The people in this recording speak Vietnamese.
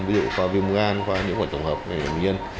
ví dụ qua viêm gan qua những quả trùng hợp này là bệnh nhân